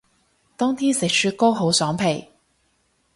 冬天食雪糕好爽皮